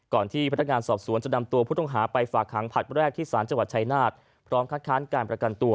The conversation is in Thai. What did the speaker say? ที่พนักงานสอบสวนจะนำตัวผู้ต้องหาไปฝากหางผัดแรกที่สารจังหวัดชายนาฏพร้อมคัดค้านการประกันตัว